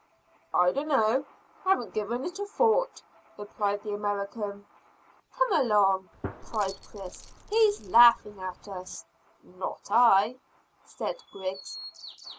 "I dunno. Haven't given it a thought," replied the American. "Come along," cried Chris; "he's laughing at us." "Not I," said Griggs.